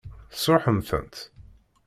Tesṛuḥem-tent?